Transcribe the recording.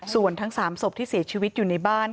ส่วนทั้ง๓ศพที่เสียชีวิตอยู่ในบ้าน